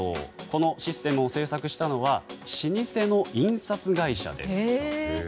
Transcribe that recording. このシステムを制作したのは老舗の印刷会社です。